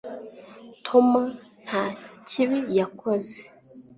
tom nta kibi yakoze